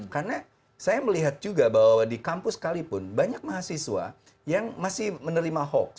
karena saya melihat juga bahwa di kampus sekalipun banyak mahasiswa yang masih menerima hoaks